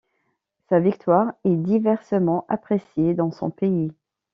Sa victoire est diversement appréciée dans son pays.